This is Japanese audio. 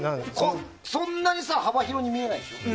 そんなに幅広に見えないでしょ。